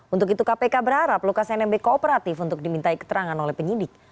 untuk itu kpk berharap lukas nmb kooperatif untuk dimintai keterangan oleh penyidik